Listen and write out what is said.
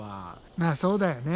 まあそうだよね。